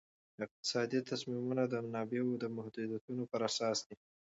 اقتصادي تصمیمونه د منابعو د محدودیتونو پر اساس دي.